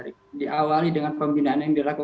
kita harus memiliki program yang berbeda